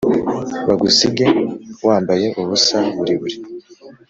bagusige wambaye ubusa buriburi